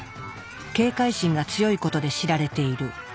警戒心が強いことで知られている。